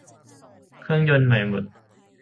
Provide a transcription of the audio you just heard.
เครื่องยนต์ใหม่หมด